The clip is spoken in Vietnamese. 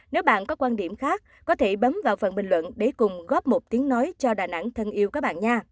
nếu bạn có quan điểm khác có thể bấm vào phần bình luận để cùng góp một tiếng nói cho đà nẵng thân yêu các bạn nha